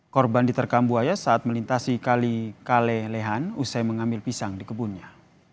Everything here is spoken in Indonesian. korban diterkam buaya saat melintasi kali kale lehan usai mengambil pisang di kebunnya